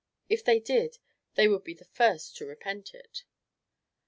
If they did, they would be the first to repent it.